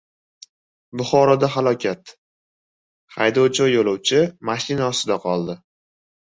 Buxoroda falokat: haydovchi va yo‘lovchi mashina ostida qoldi